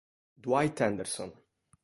Dwight Anderson